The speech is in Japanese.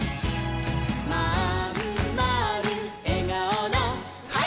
「まんまるえがおのハイ！」